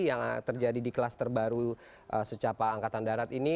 yang terjadi di kelas terbaru secapa angkatan darat ini